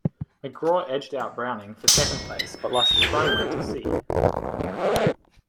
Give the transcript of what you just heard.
McGraw edged out Browning for second place but lost the primary to See.